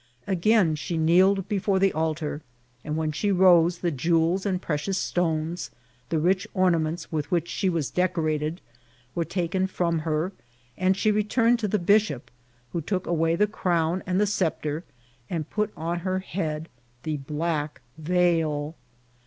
Again she kneeled before the altar ; and when she rose the jewels and precious stones, the rich ornaments with which she was decorated, were taken from her, and she returned to the bishop, who took away the crown and sceptre, and put on her head the black veil.